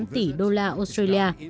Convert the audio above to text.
ba tám tỷ usd